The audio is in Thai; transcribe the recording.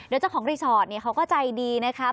และเจ้าของรีชอร์ทเขาก็ใจดีนะคะ